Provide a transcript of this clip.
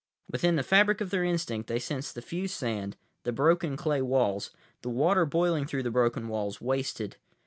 Within the fabric of their instinct, they sensed the fused sand, the broken clay walls, the water boiling through the broken walls, wasted.